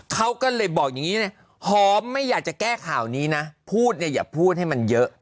เขาก็เลยบอกอย่างนี้นะหอมไม่อยากจะแก้ข่าวนี้นะพูดเนี่ยอย่าพูดให้มันเยอะ